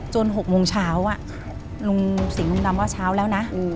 จนหกโมงเช้าอ่ะครับลุงสิงห์ลุงดัมว่าเช้าแล้วนะอืม